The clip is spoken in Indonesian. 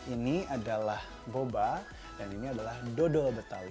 ini adalah boba dan ini adalah dodol betawi